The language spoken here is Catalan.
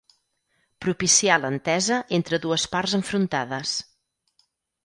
Propiciar l'entesa entre dues parts enfrontades.